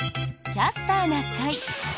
「キャスターな会」。